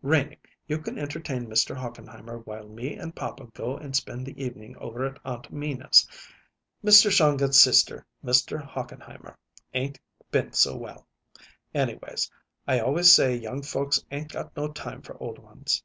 Renie, you can entertain Mr. Hochenheimer while me and papa go and spend the evening over at Aunt Meena's. Mr. Shongut's sister, Mr. Hochenheimer, 'ain't been so well. Anyways, I always say young folks 'ain't got no time for old ones."